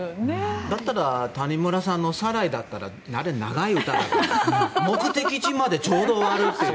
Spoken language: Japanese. だったら谷村さんの「サライ」だったらあれ、長い歌だから目的地までちょうど終わるという。